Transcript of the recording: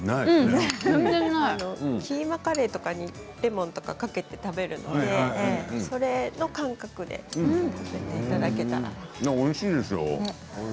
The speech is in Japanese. キーマカレーとかにレモンをかけて食べるのでその感覚でおいしいですよ。